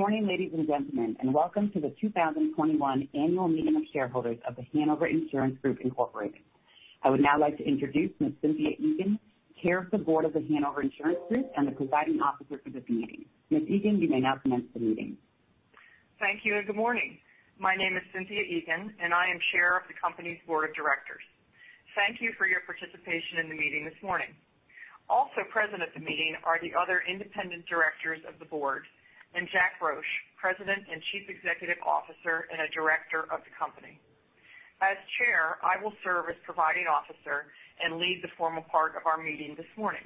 Good morning, ladies and gentlemen, and welcome to the 2021 annual meeting of shareholders of The Hanover Insurance Group Incorporated. I would now like to introduce Ms. Cynthia Egan, Chair of the Board of The Hanover Insurance Group and the presiding officer for this meeting. Ms. Egan, you may now commence the meeting. Thank you. Good morning. My name is Cynthia Egan. I am Chair of the company's Board of Directors. Thank you for your participation in the meeting this morning. Also present at the meeting are the other independent directors of the Board and Jack Roche, President and Chief Executive Officer, and a director of the company. As Chair, I will serve as presiding officer and lead the formal part of our meeting this morning.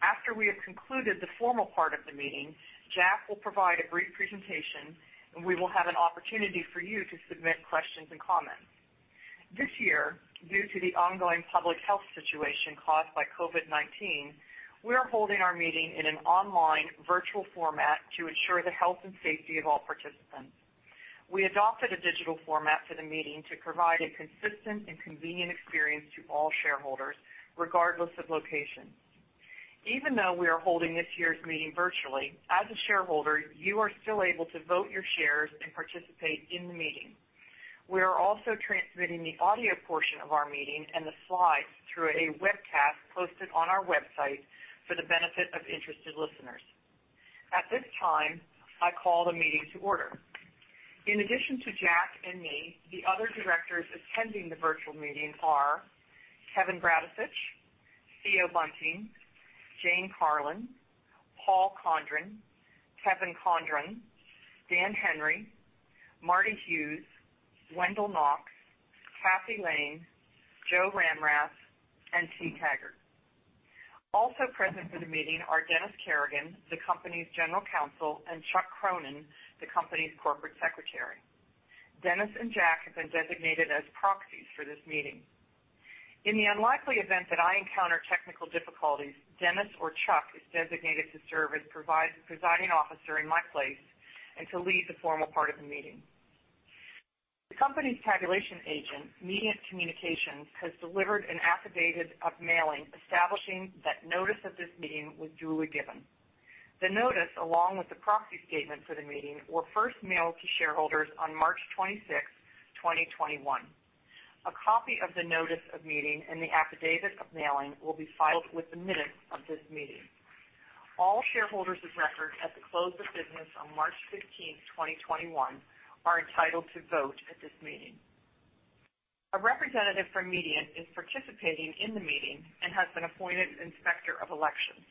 After we have concluded the formal part of the meeting, Jack will provide a brief presentation. We will have an opportunity for you to submit questions and comments. This year, due to the ongoing public health situation caused by COVID-19, we are holding our meeting in an online virtual format to ensure the health and safety of all participants. We adopted a digital format for the meeting to provide a consistent and convenient experience to all shareholders, regardless of location. Even though we are holding this year's meeting virtually, as a shareholder, you are still able to vote your shares and participate in the meeting. We are also transmitting the audio portion of our meeting and the slides through a webcast posted on our website for the benefit of interested listeners. At this time, I call the meeting to order. In addition to Jack and me, the other directors attending the virtual meeting are Kevin Bradicich, Theo Bunting, Jane Carlin, Paul Condrin, Kevin Condron, Dan Henry, Marta Hughes, Wendell Knox, Kathy Lane, Joe Ramrath, and T. Taggart. Also present for the meeting are Dennis Kerrigan, the company's General Counsel, and Chuck Cronin, the company's Corporate Secretary. Dennis and Jack have been designated as proxies for this meeting. In the unlikely event that I encounter technical difficulties, Dennis or Chuck is designated to serve as presiding officer in my place and to lead the formal part of the meeting. The company's tabulation agent, Mediant Communications, has delivered an affidavit of mailing establishing that notice of this meeting was duly given. The notice, along with the proxy statement for the meeting, were first mailed to shareholders on March 26, 2021. A copy of the notice of meeting and the affidavit of mailing will be filed with the minutes of this meeting. All shareholders of record at the close of business on March 15, 2021 are entitled to vote at this meeting. A representative from Mediant is participating in the meeting and has been appointed Inspector of Elections.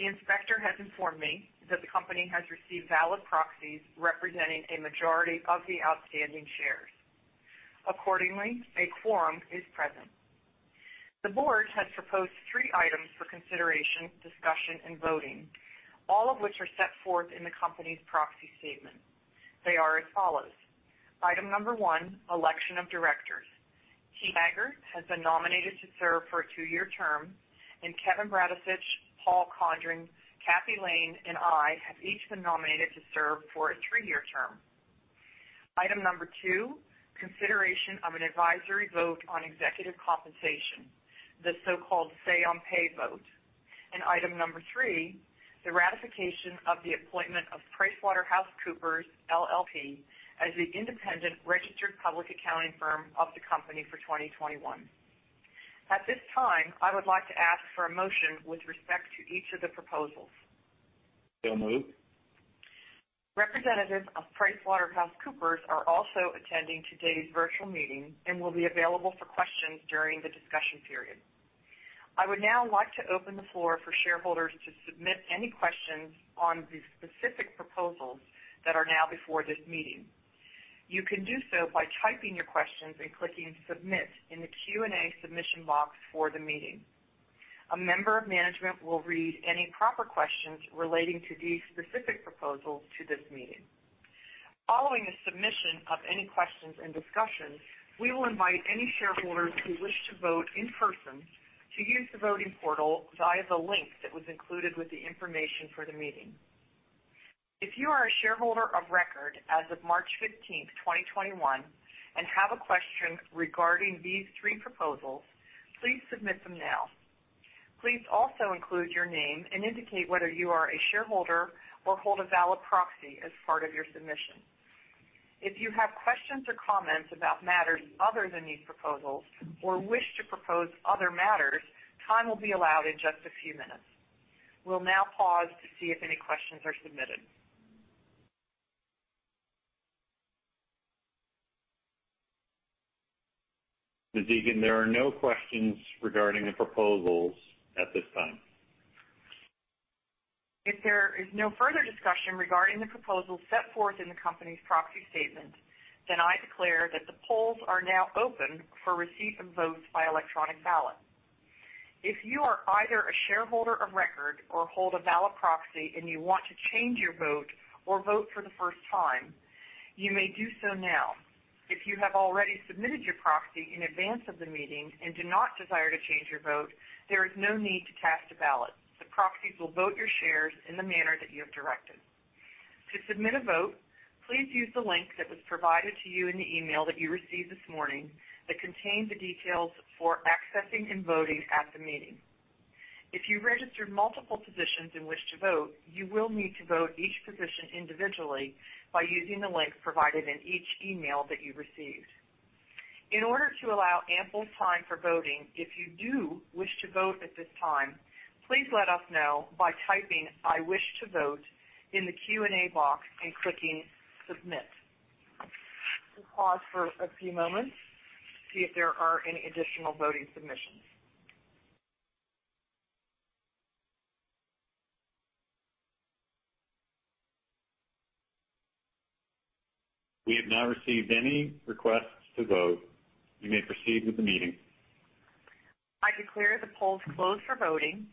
The inspector has informed me that the company has received valid proxies representing a majority of the outstanding shares. Accordingly, a quorum is present. The board has proposed three items for consideration, discussion, and voting, all of which are set forth in the company's proxy statement. They are as follows. Item number one: election of directors. T. Taggart has been nominated to serve for a two-year term, and Kevin Bradicich, Paul Condrin, Kathy Lane, and I have each been nominated to serve for a three-year term. Item number two: consideration of an advisory vote on executive compensation, the so-called Say on Pay vote. Item number three: the ratification of the appointment of PricewaterhouseCoopers LLP, as the independent registered public accounting firm of the company for 2021. At this time, I would like to ask for a motion with respect to each of the proposals. Moved. Representatives of PricewaterhouseCoopers are also attending today's virtual meeting and will be available for questions during the discussion period. I would now like to open the floor for shareholders to submit any questions on the specific proposals that are now before this meeting. You can do so by typing your questions and clicking Submit in the Q&A submission box for the meeting. A member of management will read any proper questions relating to these specific proposals to this meeting. Following the submission of any questions and discussion, we will invite any shareholders who wish to vote in person to use the voting portal via the link that was included with the information for the meeting. If you are a shareholder of record as of March 15, 2021 and have a question regarding these three proposals, please submit them now. Please also include your name and indicate whether you are a shareholder or hold a valid proxy as part of your submission. If you have questions or comments about matters other than these proposals or wish to propose other matters, time will be allowed in just a few minutes. We'll now pause to see if any questions are submitted. Ms. Egan, there are no questions regarding the proposals at this time. If there is no further discussion regarding the proposals set forth in the company's proxy statement, I declare that the polls are now open for receipt of votes by electronic ballot. If you are either a shareholder of record or hold a valid proxy and you want to change your vote or vote for the first time, you may do so now. If you have already submitted your proxy in advance of the meeting and do not desire to change your vote, there is no need to cast a ballot. The proxies will vote your shares in the manner that you have directed. To submit a vote, please use the link that was provided to you in the email that you received this morning that contained the details for accessing and voting at the meeting. If you registered multiple positions in which to vote, you will need to vote each position individually by using the link provided in each email that you received. In order to allow ample time for voting, if you do wish to vote at this time, please let us know by typing, "I wish to vote," in the Q&A box and clicking Submit. We'll pause for a few moments to see if there are any additional voting submissions. We have not received any requests to vote. You may proceed with the meeting. I declare the polls closed for voting.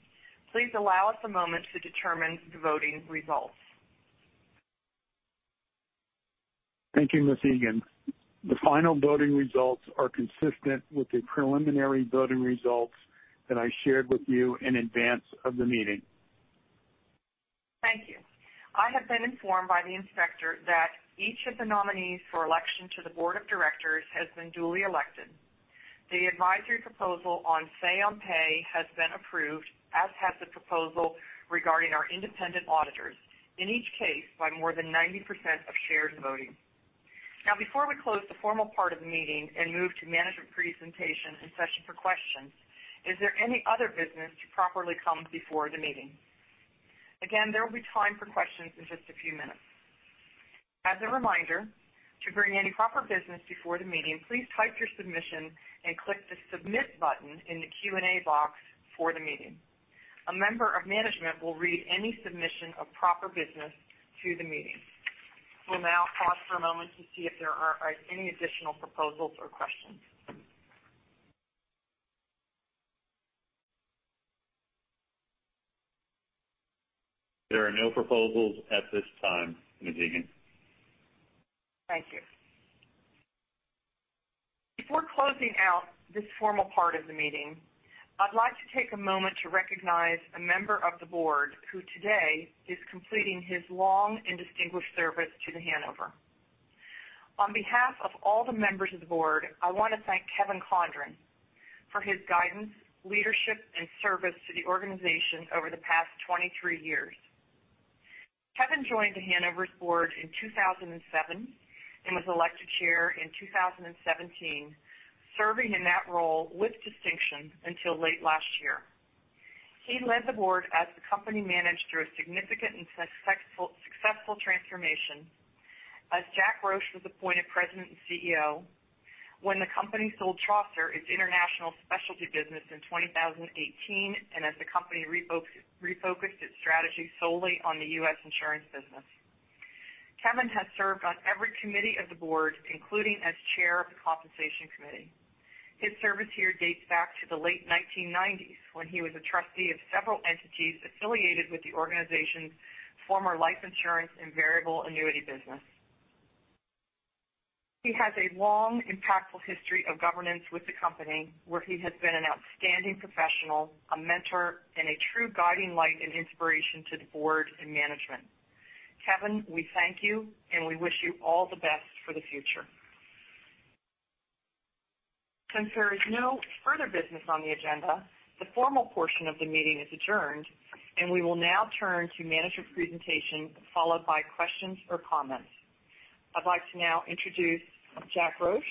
Please allow us a moment to determine the voting results. Thank you, Ms. Egan. The final voting results are consistent with the preliminary voting results that I shared with you in advance of the meeting. Thank you. I have been informed by the Inspector of Elections that each of the nominees for election to the board of directors has been duly elected. The advisory proposal on Say on Pay has been approved, as has the proposal regarding our independent auditors, in each case by more than 90% of shares voting. Before we close the formal part of the meeting and move to management presentation and session for questions, is there any other business to properly come before the meeting? Again, there will be time for questions in just a few minutes. As a reminder, to bring any proper business before the meeting, please type your submission and click the submit button in the Q&A box for the meeting. A member of management will read any submission of proper business to the meeting. We'll now pause for a moment to see if there are any additional proposals or questions. There are no proposals at this time, Ms. Egan. Thank you. Before closing out this formal part of the meeting, I'd like to take a moment to recognize a member of the board who today is completing his long and distinguished service to The Hanover. On behalf of all the members of the board, I want to thank Kevin Condron for his guidance, leadership, and service to the organization over the past 23 years. Kevin joined The Hanover's board in 2007 and was elected chair in 2017, serving in that role with distinction until late last year. He led the board as the company managed through a significant and successful transformation as Jack Roche was appointed President and CEO, when the company sold Chaucer, its international specialty business, in 2018, and as the company refocused its strategy solely on the U.S. insurance business. Kevin has served on every committee of the board, including as chair of the compensation committee. There is no further business on the agenda, the formal portion of the meeting is adjourned, and we will now turn to management presentation, followed by questions or comments. His service here dates back to the late 1990s, when he was a trustee of several entities affiliated with the organization's former life insurance and variable annuity business. He has a long, impactful history of governance with the company, where he has been an outstanding professional, a mentor, and a true guiding light and inspiration to the board and management. Kevin, we thank you, and we wish you all the best for the future. I'd like to now introduce Jack Roche,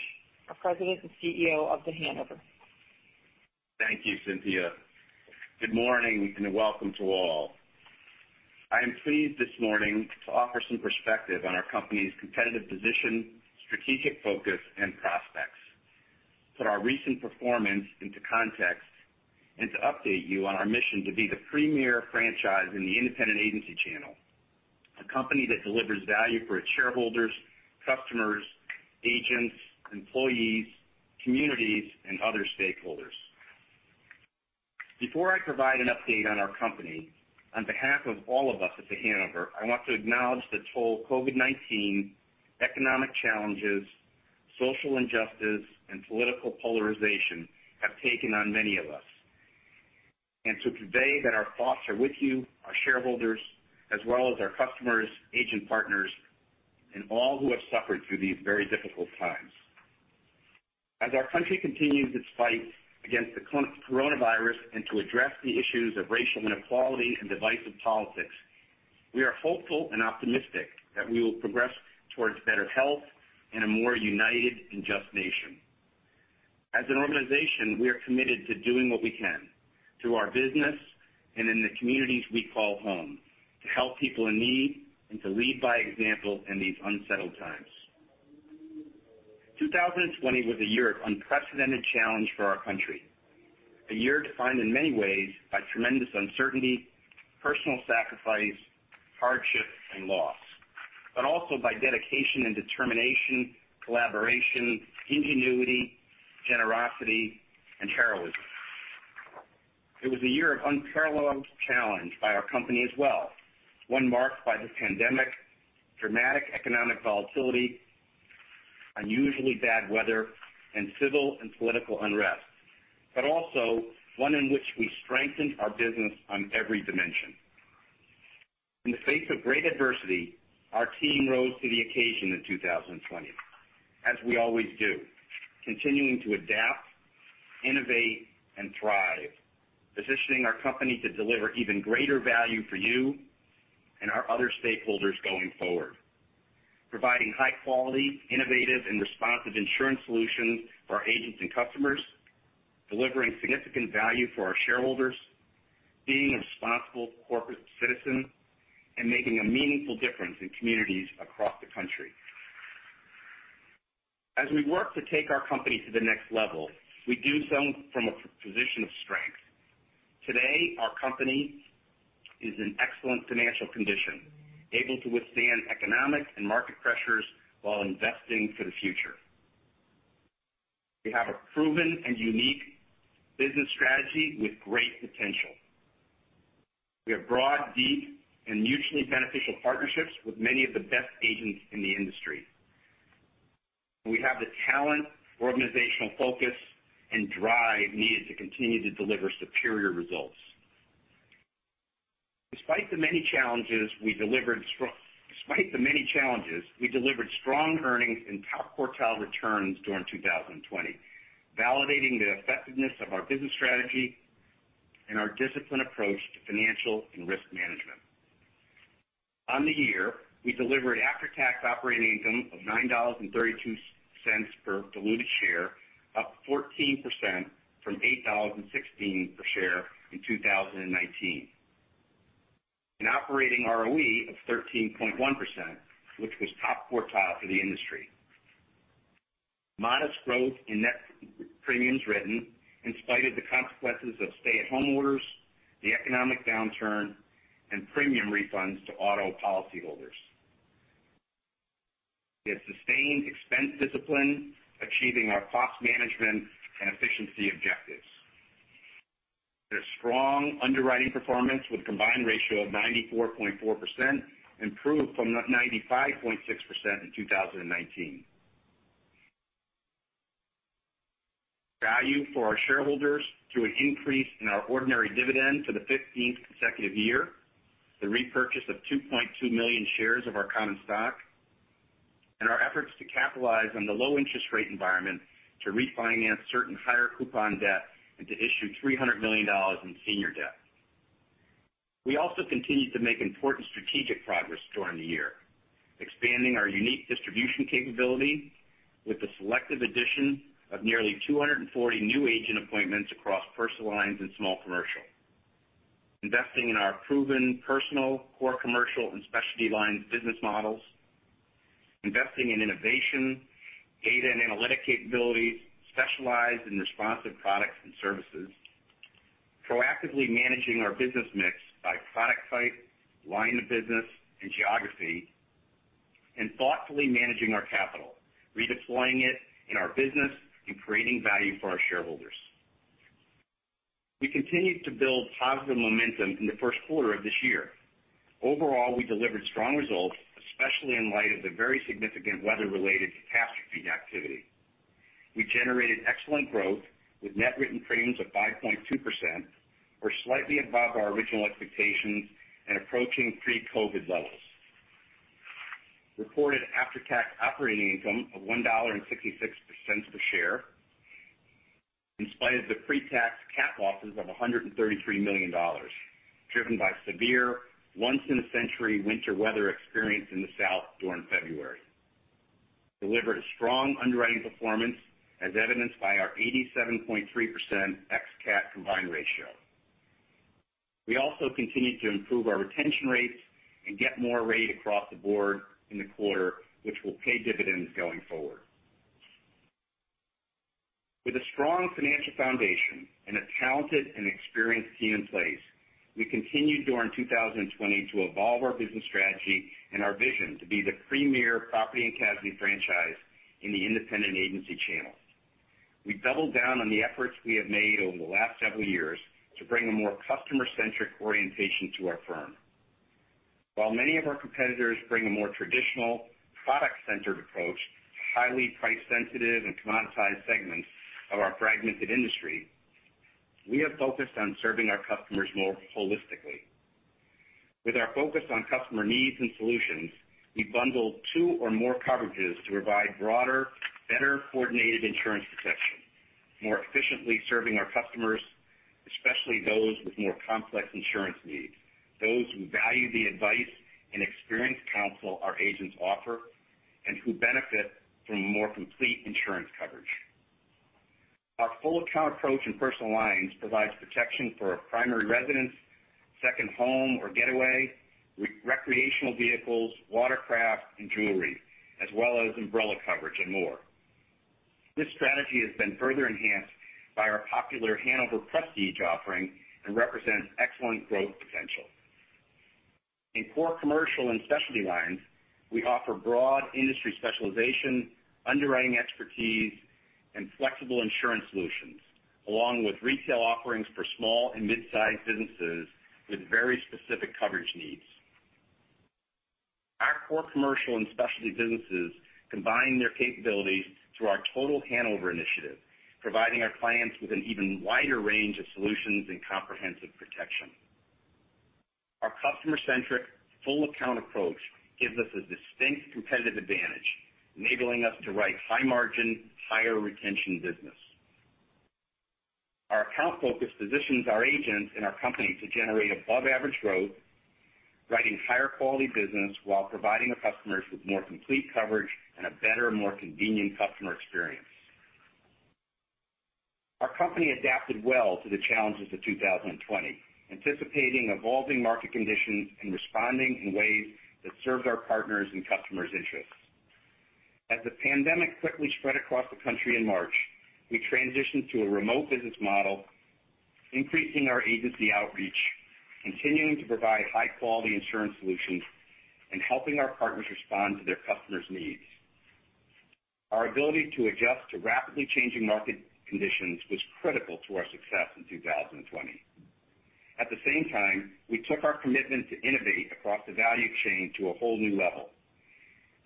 our President and CEO of The Hanover. Thank you, Cynthia. Good morning. Welcome to all. I am pleased this morning to offer some perspective on our company's competitive position, strategic focus, and prospects, put our recent performance into context, and to update you on our mission to be the premier franchise in the independent agency channel, a company that delivers value for its shareholders, customers, agents, employees, communities, and other stakeholders. Before I provide an update on our company, on behalf of all of us at The Hanover, I want to acknowledge the toll COVID-19, economic challenges, social injustice, and political polarization have taken on many of us and to convey that our thoughts are with you, our shareholders, as well as our customers, agent partners, and all who have suffered through these very difficult times. As our country continues its fight against the coronavirus and to address the issues of racial inequality and divisive politics, we are hopeful and optimistic that we will progress towards better health and a more united and just nation. As an organization, we are committed to doing what we can, through our business and in the communities we call home, to help people in need and to lead by example in these unsettled times. 2020 was a year of unprecedented challenge for our country, a year defined in many ways by tremendous uncertainty, personal sacrifice, hardship, and loss, but also by dedication and determination, collaboration, ingenuity, generosity, and heroism. It was a year of unparalleled challenge by our company as well, one marked by the pandemic, dramatic economic volatility, unusually bad weather, and civil and political unrest, but also one in which we strengthened our business on every dimension. In the face of great adversity, our team rose to the occasion in 2020, as we always do, continuing to adapt, innovate, and thrive, positioning our company to deliver even greater value for you and our other stakeholders going forward, providing high-quality, innovative, and responsive insurance solutions for our agents and customers, delivering significant value for our shareholders, being a responsible corporate citizen, and making a meaningful difference in communities across the country. As we work to take our company to the next level, we do so from a position of strength. Today, our company is in excellent financial condition, able to withstand economic and market pressures while investing for the future. We have a proven and unique business strategy with great potential. We have broad, deep, and mutually beneficial partnerships with many of the best agents in the industry. We have the talent, organizational focus, and drive needed to continue to deliver superior results. Despite the many challenges, we delivered strong earnings and top-quartile returns during 2020, validating the effectiveness of our business strategy and our disciplined approach to financial and risk management. On the year, we delivered after-tax operating income of $9.32 per diluted share, up 14% from $8.16 per share in 2019. An operating ROE of 13.1%, which was top quartile for the industry. Modest growth in net premiums written in spite of the consequences of stay-at-home orders, the economic downturn, and premium refunds to auto policyholders. We had sustained expense discipline, achieving our cost management and efficiency objectives. Their strong underwriting performance, with a combined ratio of 94.4%, improved from 95.6% in 2019. Value for our shareholders through an increase in our ordinary dividend for the 15th consecutive year, the repurchase of 2.2 million shares of our common stock, and our efforts to capitalize on the low interest rate environment to refinance certain higher coupon debt and to issue $300 million in senior debt. We also continued to make important strategic progress during the year, expanding our unique distribution capability with the selective addition of nearly 240 new agent appointments across personal lines and small commercial, investing in our proven personal, core commercial, and specialty lines business models, investing in innovation, data and analytic capabilities, specialized and responsive products and services, proactively managing our business mix by product type, line of business, and geography, and thoughtfully managing our capital, redeploying it in our business and creating value for our shareholders. We continued to build positive momentum in the first quarter of this year. Overall, we delivered strong results, especially in light of the very significant weather-related catastrophe activity. We generated excellent growth with net written premiums of 5.2%, or slightly above our original expectations and approaching pre-COVID levels. Reported after-tax operating income of $1.66 per share, in spite of the pre-tax cat losses of $133 million, driven by severe once-in-a-century winter weather experienced in the South during February. Delivered a strong underwriting performance, as evidenced by our 87.3% ex-cat combined ratio. We also continued to improve our retention rates and get more rate across the board in the quarter, which will pay dividends going forward. With a strong financial foundation and a talented and experienced team in place, we continued during 2020 to evolve our business strategy and our vision to be the premier property and casualty franchise in the independent agency channel. We've doubled down on the efforts we have made over the last several years to bring a more customer-centric orientation to our firm. While many of our competitors bring a more traditional product-centered approach to highly price-sensitive and commoditized segments of our fragmented industry, we have focused on serving our customers more holistically. With our focus on customer needs and solutions, we bundle two or more coverages to provide broader, better-coordinated insurance protection, more efficiently serving our customers, especially those with more complex insurance needs, those who value the advice and experienced counsel our agents offer, and who benefit from more complete insurance coverage. Our full account approach in personal lines provides protection for a primary residence, second home or getaway, recreational vehicles, watercraft, and jewelry, as well as umbrella coverage and more. This strategy has been further enhanced by our popular Hanover Prestige offering and represents excellent growth potential. In core commercial and specialty lines, we offer broad industry specialization, underwriting expertise, and flexible insurance solutions, along with retail offerings for small and midsize businesses with very specific coverage needs. Our core commercial and specialty businesses combine their capabilities through our Total Hanover initiative, providing our clients with an even wider range of solutions and comprehensive protection. Our customer-centric full account approach gives us a distinct competitive advantage, enabling us to write high-margin, higher-retention business. Our account focus positions our agents and our company to generate above-average growth, writing higher-quality business while providing our customers with more complete coverage and a better, more convenient customer experience. Our company adapted well to the challenges of 2020, anticipating evolving market conditions and responding in ways that served our partners' and customers' interests. As the pandemic quickly spread across the country in March, we transitioned to a remote business model, increasing our agency outreach, continuing to provide high-quality insurance solutions, and helping our partners respond to their customers' needs. Our ability to adjust to rapidly changing market conditions was critical to our success in 2020. At the same time, we took our commitment to innovate across the value chain to a whole new level.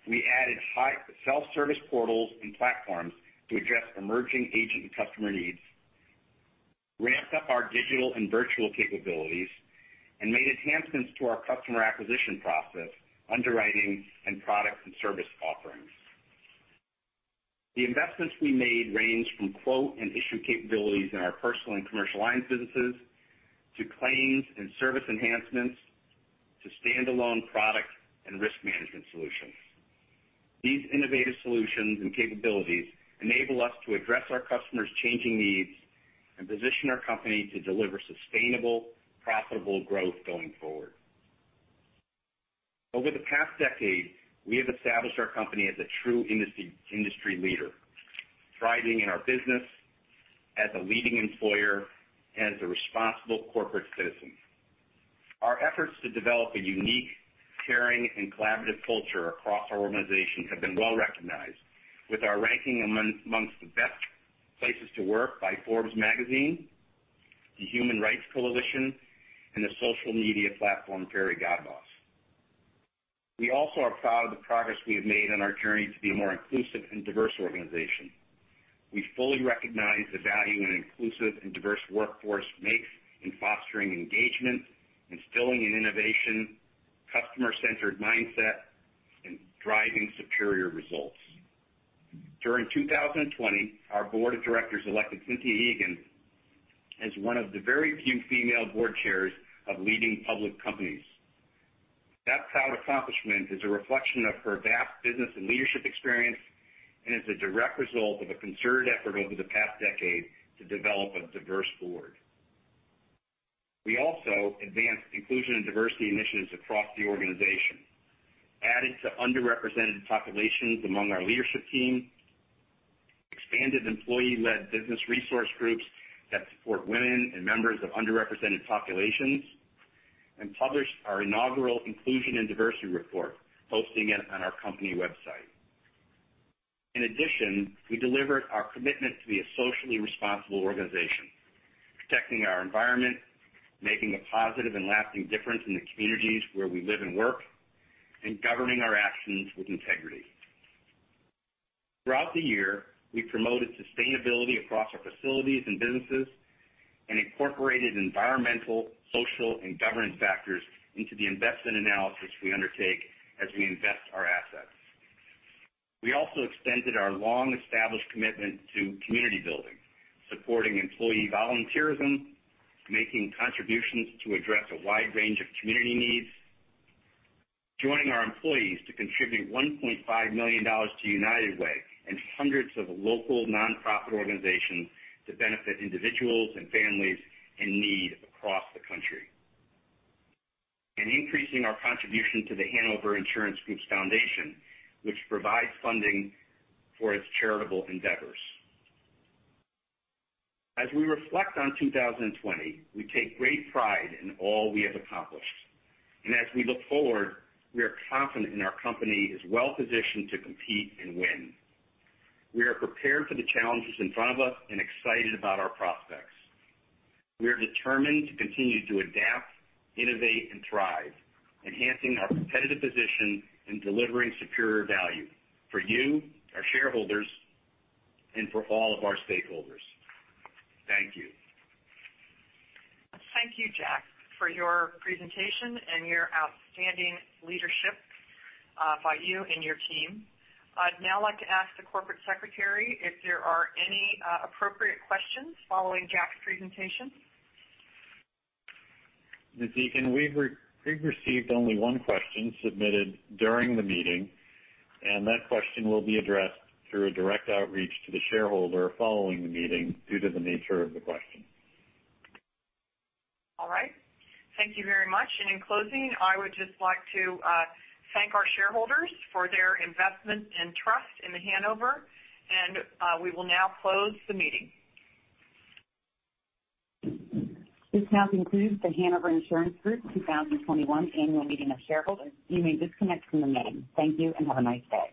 We added self-service portals and platforms to address emerging agent and customer needs, ramped up our digital and virtual capabilities, and made enhancements to our customer acquisition process, underwriting, and product and service offerings. The investments we made range from quote and issue capabilities in our personal and commercial lines businesses to claims and service enhancements to standalone product and risk management solutions. These innovative solutions and capabilities enable us to address our customers' changing needs and position our company to deliver sustainable, profitable growth going forward. Over the past decade, we have established our company as a true industry leader, thriving in our business as a leading employer and as a responsible corporate citizen. Our efforts to develop a unique, caring, and collaborative culture across our organization have been well recognized, with our ranking amongst the best places to work by Forbes magazine, the Human Rights Campaign, and the social media platform Fairygodboss. We also are proud of the progress we have made on our journey to be a more inclusive and diverse organization. We fully recognize the value an inclusive and diverse workforce makes in fostering engagement, instilling an innovation, customer-centered mindset, and driving superior results. During 2020, our board of directors elected Cynthia Egan as one of the very few female board chairs of leading public companies. That proud accomplishment is a reflection of her vast business and leadership experience and is a direct result of a concerted effort over the past decade to develop a diverse board. We also advanced inclusion and diversity initiatives across the organization, added to underrepresented populations among our leadership team, expanded employee-led business resource groups that support women and members of underrepresented populations, and published our inaugural Inclusion & Diversity Report, hosting it on our company website. In addition, we delivered our commitment to be a socially responsible organization, protecting our environment, making a positive and lasting difference in the communities where we live and work, and governing our actions with integrity. Throughout the year, we promoted sustainability across our facilities and businesses and incorporated environmental, social, and governance factors into the investment analysis we undertake as we invest our assets. We also extended our long-established commitment to community building, supporting employee volunteerism, making contributions to address a wide range of community needs, joining our employees to contribute $1.5 million to United Way and hundreds of local nonprofit organizations to benefit individuals and families in need across the country, and increasing our contribution to The Hanover Insurance Group's Foundation, which provides funding for its charitable endeavors. As we reflect on 2020, we take great pride in all we have accomplished. As we look forward, we are confident our company is well-positioned to compete and win. We are prepared for the challenges in front of us and excited about our prospects. We are determined to continue to adapt, innovate, and thrive, enhancing our competitive position in delivering superior value for you, our shareholders, and for all of our stakeholders. Thank you. Thank you, Jack, for your presentation and your outstanding leadership by you and your team. I'd now like to ask the Corporate Secretary if there are any appropriate questions following Jack's presentation. Miss Egan, we've received only one question submitted during the meeting, and that question will be addressed through a direct outreach to the shareholder following the meeting due to the nature of the question. All right. Thank you very much. In closing, I would just like to thank our shareholders for their investment and trust in The Hanover. We will now close the meeting. This now concludes The Hanover Insurance Group 2021 Annual Meeting of Shareholders. You may disconnect from the meeting. Thank you. Have a nice day.